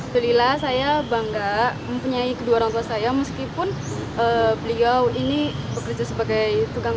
gelila saya bangga mempunyai kedua orang tua saya meskipun beliau ini bekerja sebagai tukang